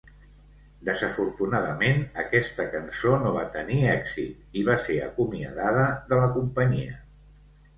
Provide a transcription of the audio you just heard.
Desafortunadament, aquesta cançó no va tenir èxit i va ser acomiadada de la companyia.